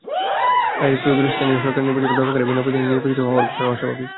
রাজীব চৌধুরীস্থানীয় সরকার নির্বাচনে ব্যাপক হারে বিনা প্রতিদ্বন্দ্বিতায় নির্বাচিত হওয়ার ঘটনা অস্বাভাবিক।